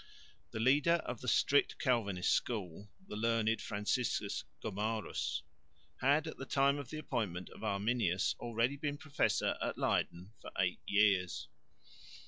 The leader of the strict Calvinist school, the learned Franciscus Gomarus, had at the time of the appointment of Arminius already been a professor at Leyden for eight years.